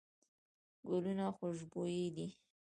ګلونه خوشبوي دي.